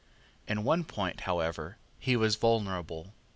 In one point, however, he was vulnerable.